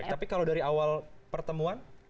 tapi kalau dari awal pertemuan